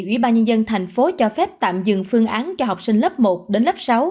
ủy ban nhân dân thành phố cho phép tạm dừng phương án cho học sinh lớp một đến lớp sáu